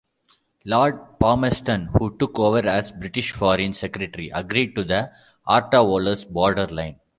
Lord Palmerston, who took over as British Foreign Secretary, agreed to the Arta-Volos borderline.